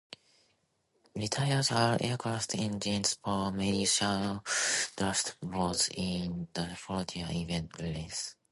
Retired aircraft engines power many shallow draft boats in the Florida Everglades.